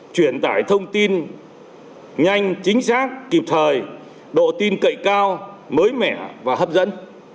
truyền tải thông tin nhanh chính xác kịp thời độ tin cậy cao mới mẻ và hấp dẫn